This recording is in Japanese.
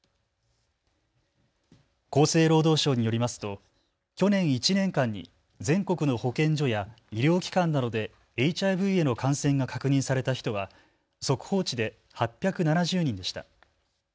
厚生労働省によりますと去年１年間に全国の保健所や医療機関などでＨＩＶへの感染が確認された人は速報値で８７０人でした。